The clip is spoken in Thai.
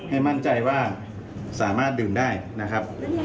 ให้มั่นใจว่าสามารถดื่มได้นะครับ